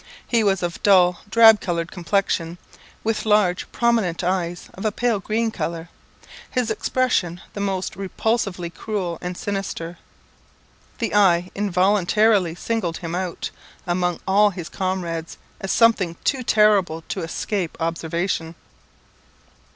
He was of a dull, drab coloured complexion, with large prominent eyes of a pale green colour; his expression, the most repulsively cruel and sinister. The eye involuntarily singled him out among all his comrades, as something too terrible to escape observation.